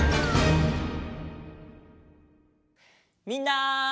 みんな。